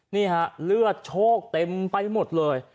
นี่ฮะเลือดโชคเต็มไปหมดเลย